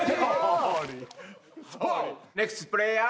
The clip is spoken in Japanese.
ネクストプレーヤー？